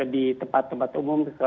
di tempat tempat umum